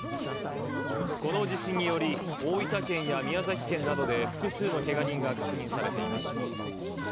この地震により、大分県や宮崎県などで複数のけが人が確認されています。